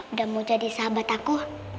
udah mau jadi sahabat aku